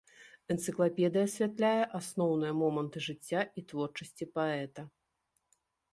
Энцыклапедыя асвятляе асноўныя моманты жыцця і творчасці паэта.